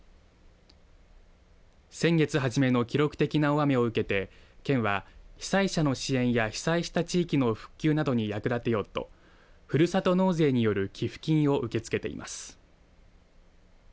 先月初めの記録的な大雨を受けて県は被災者の支援や被災した地域の復旧などに役立てようとふるさと納税による寄付金を受け付けています。